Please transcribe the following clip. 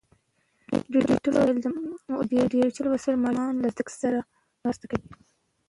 ډیجیټل وسایل ماشومان له زده کړو سره مرسته کوي.